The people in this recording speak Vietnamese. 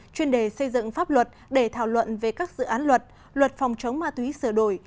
chuyên đề xây dựng pháp luật để thảo luận về các dự án luật luật phòng chống ma túy sửa đổi